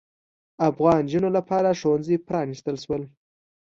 افغان نجونو لپاره ښوونځي پرانیستل شول.